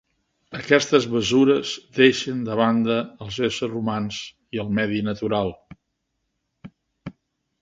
Aquestes mesures deixen de banda els éssers humans i al medi natural.